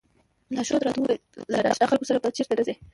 لارښود راته وویل له نا اشنا خلکو سره به چېرته نه ځئ.